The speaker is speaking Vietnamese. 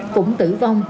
cũng tử vong